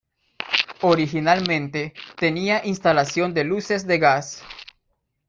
Originalmente, tenía instalación de luces de gas.